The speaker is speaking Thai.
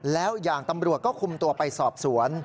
แล้วอย่างตำรวจก็คุมตัวไปสอบสวน